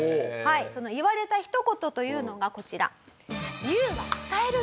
その言われた一言というのがこちら。